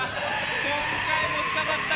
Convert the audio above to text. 今回も捕まった！